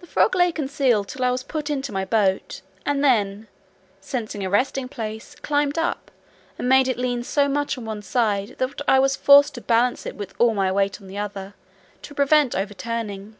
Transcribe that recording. The frog lay concealed till I was put into my boat, but then, seeing a resting place, climbed up, and made it lean so much on one side, that I was forced to balance it with all my weight on the other, to prevent overturning.